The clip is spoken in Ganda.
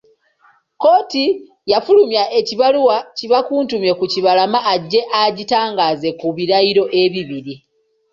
Kkooti yafulumya ekibaluwa kibakuntumye ku Kibalama ajje agitangaaze ku birayiro ebibiri.